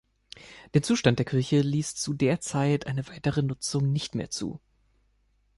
Der Zustand der Kirche ließ zu der Zeit eine weitere Nutzung nicht mehr zu.